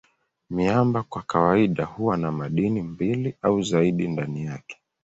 Miamba kwa kawaida huwa na madini mbili au zaidi ndani yake.